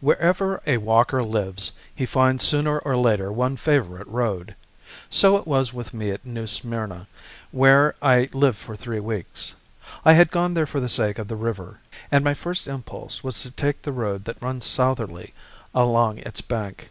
Wherever a walker lives, he finds sooner or later one favorite road. So it was with me at New Smyrna, where I lived for three weeks. I had gone there for the sake of the river, and my first impulse was to take the road that runs southerly along its bank.